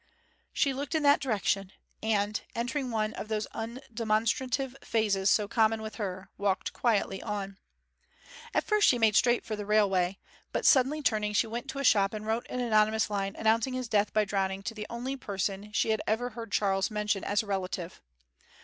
She looked in that direction; and, entering one of those undemonstrative phases so common with her, walked quietly on. At first she made straight for the railway; but suddenly turning she went to a shop and wrote an anonymous line announcing his death by drowning to the only person she had ever heard Charles mention as a relative.